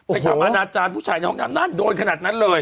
ทำอนาจารย์ผู้ชายในห้องน้ำนั่นโดนขนาดนั้นเลย